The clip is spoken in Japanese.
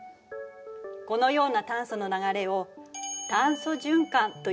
このような炭素の流れを炭素循環というのよ。